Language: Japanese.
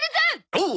おう！